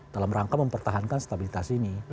dalam rangka mempertahankan stabilitas ini